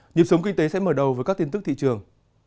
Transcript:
nhịp sống kinh tế sẽ mở đầu với các tin tức thị trường